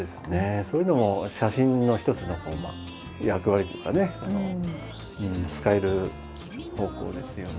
そういうのも写真の一つの役割というかね使える方向ですよね。